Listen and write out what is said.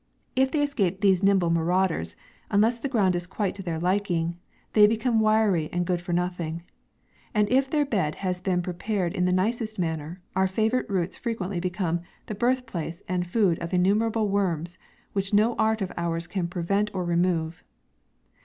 If they escape these nimble marauders, unless the ground is quite to their liking, they become wirey and good for nothing ; and if their bed has been pre pared in the nicest manner, our favourite roots frequently become the birth place and food of innumerable worms, which no art oi ours can prevent or remove.